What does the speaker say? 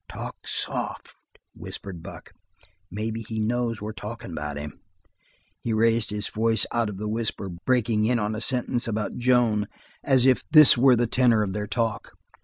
"Talk soft," whispered Buck. "Maybe he knows we're talkin' about him." He raised his voice out of the whisper, breaking in on a sentence about Joan, as if this were the tenor of their talk.